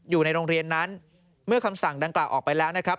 อยู่ในโรงเรียนนั้นเมื่อคำสั่งดังกล่าวออกไปแล้วนะครับ